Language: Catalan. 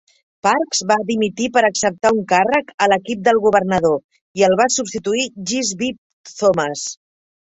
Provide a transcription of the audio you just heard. Parks va dimitir per acceptar un càrrec a l'equip del governador i el va substituir Jesse B. Thomas.